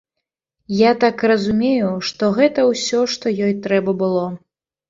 Я так разумею, што гэта ўсё, што ёй трэба было.